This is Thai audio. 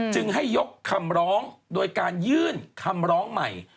จึงให้ยกคำร้องโดยการยื่นคำร้องใหม่